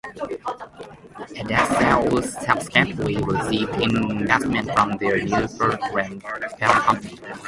Edexcel subsequently received investment from their new parent company.